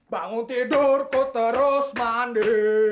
bangun tidur ku terus mandi